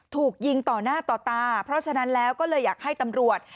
ถูกยิงต่อหน้าต่อตาเพราะฉะนั้นแล้วก็เลยอยากให้ตำรวจ